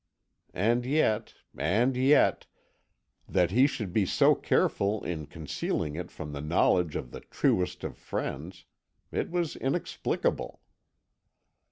And yet and yet that he should be so careful in concealing it from the knowledge of the truest of friends it was inexplicable.